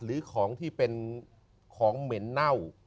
หรือของที่เป็นของเหม็นเน่า